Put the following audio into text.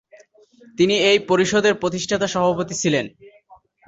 তিনি এই পরিষদের প্রতিষ্ঠাতা সভাপতি ছিলেন।